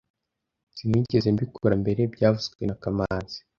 Sinigeze mbikora mbere byavuzwe na kamanzi